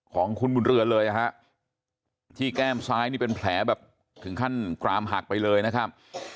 ของคุณบุญเรือนเลยนะฮะที่แก้มซ้ายนี่เป็นแผลแบบถึงขั้นกรามหักไปเลยนะครับ